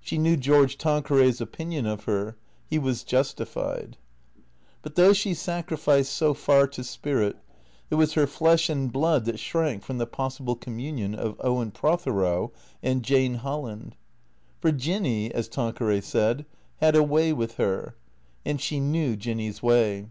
She knew George Tanqueray's opinion of her. He was justified. But though she sacrificed so far to spirit, it was her flesh and blood that shrank from the possible communion of Owen Prothero and Jane Holland. For Jinny, as Tanqueray said, had a way with her; and she knew Jinny's way.